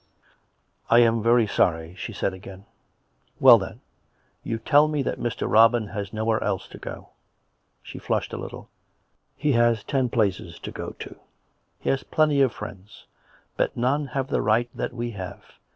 " I am very sorry," she said again. " Well, then — you tell me that Mr. Robin has nowhere else to go." She flushed a little. " He has ten places to go to. He has plenty of friends. But none have the right that we have.